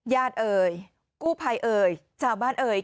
เอ่ยกู้ภัยเอ่ยชาวบ้านเอ่ย